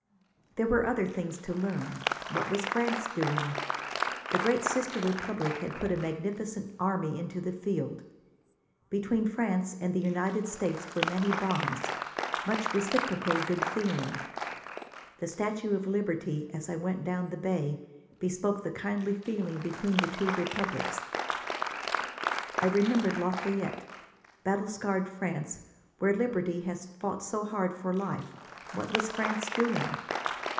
There were other things to learn. What was France doing? The great sister republic had put a magnificent army into the field. Between France and the United States were many bonds, much reciprocal good feeling. The Statue of Liberty, as I went down the bay, bespoke the kindly feeling between the two republics. I remembered Lafayette. Battle scarred France, where liberty has fought so hard for life what was France doing?